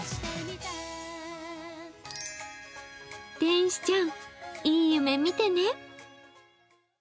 天使ちゃん、いい夢見てね。